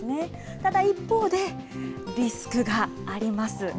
ただ一方で、リスクがあります。